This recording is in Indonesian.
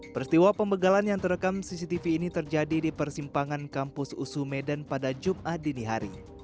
peristiwa pembegalan yang terekam cctv ini terjadi di persimpangan kampus usu medan pada jumat dini hari